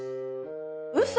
うそ？